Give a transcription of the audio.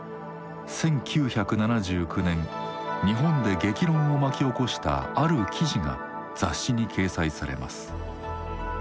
１９７９年日本で激論を巻き起こしたある記事が雑誌に掲載されます。